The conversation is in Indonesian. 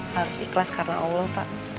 harus ikhlas karena allah pak